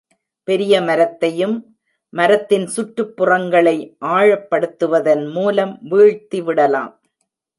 பெரிய மரத்தையும் மரத்தின் சுற்றுப் புறங்களை ஆழப்படுத்துவதன் மூலம் வீழ்த்திவிடலாம்.